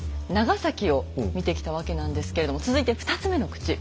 長崎を見てきたわけなんですけれども続いて２つ目の口